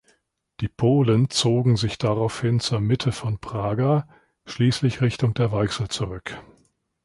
Die Polen zogen sich daraufhin zur Mitte von Praga, schließlich Richtung der Weichsel zurück.